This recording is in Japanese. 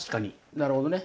なるほどね。